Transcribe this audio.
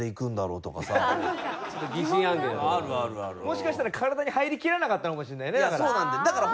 もしかしたら体に入りきらなかったのかもしれないねだから。